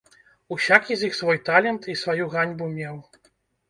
Усякі з іх свой талент і сваю ганьбу меў.